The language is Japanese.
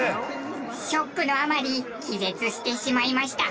ショックのあまり気絶してしまいました。